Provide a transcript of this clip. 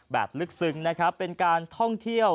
แบบลึกซึ้งเป็นการท่องเที่ยว